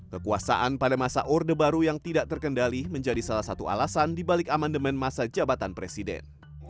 kekuasaan pada masa orde baru yang tidak terkendali menjadi salah satu alasan dibalik amendement masa jabatan presiden